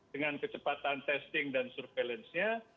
dengan kecepatan testing dan surveillance nya